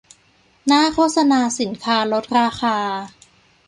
หน้าโฆษณาสินค้าลดราคา